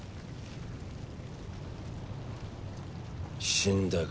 死んだか。